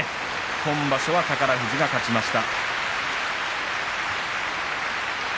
今場所は宝富士が勝ちました。